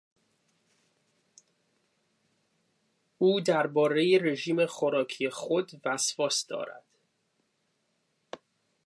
او دربارهی رژیم خوراکی خود وسواس دارد.